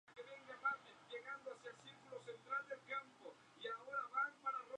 Afortunadamente para los Países Bajos, esta guerra terminó en Danzig de manera neutral.